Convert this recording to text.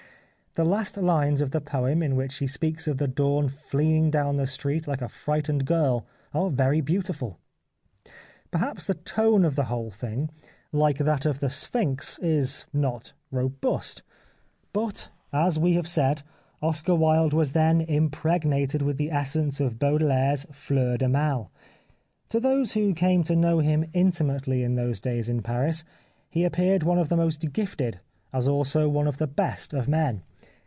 The last lines of the poem in which he speaks of the dawn fleeing down the street like a frightened girl are very beautiful. Perhaps the tone of the whole thing, like that of " The Sphynx," is not " robust," but, as we 239 The Life of Oscar Wilde have said, Oscar Wilde was then impregnated with the essence of Baudelaire's Fleurs du Mai. To those who came to know him intimately in those days in Paris he appeared one of the most gifted as also one of the best of men.